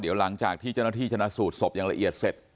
เดี๋ยวหลังจากที่เจ้าหน้าที่ชนะสูตรศพอย่างละเอียดเสร็จ